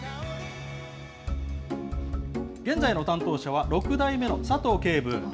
現在の担当者は６代目の佐藤警部。